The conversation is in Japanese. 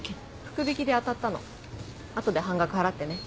福引で当たったの後で半額払ってね